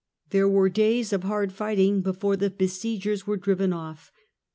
There were days of hard fighting before the besiegers were driven off.